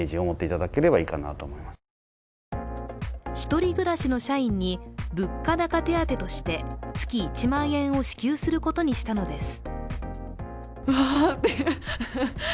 １人暮らしの社員に物価高手当として月１万円を支給することにしたのです。